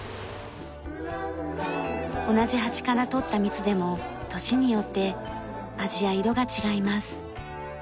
同じハチから採った蜜でも年によって味や色が違います。